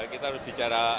kita harus bicara